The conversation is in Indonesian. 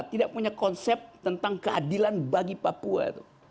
tidak punya konsep tentang keadilan bagi papua